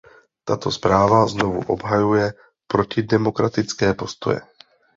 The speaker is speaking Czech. Tato zpráva znovu obhajuje protidemokratické postoje.